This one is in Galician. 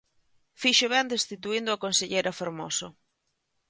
Fixo ben destituíndo a conselleira Fermoso.